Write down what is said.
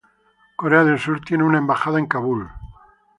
Corea del Sur tiene una embajada en Kabul.